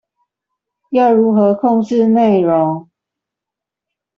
要如何控制内容